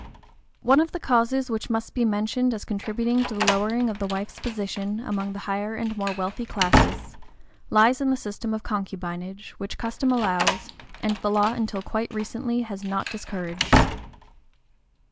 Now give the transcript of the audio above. One of the causes which must be mentioned as contributing to the lowering of the wife's position, among the higher and more wealthy classes, lies in the system of concubinage which custom allows, and the law until quite recently has not discouraged.